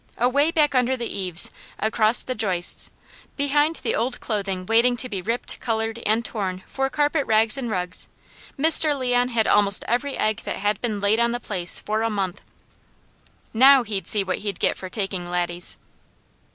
Away back under the eaves, across the joists, behind the old clothing waiting to be ripped, coloured and torn for carpet rangs and rugs, Mr. Leon had almost every egg that had been laid on the place for a month. NOW he'd see what he'd get for taking Laddie's!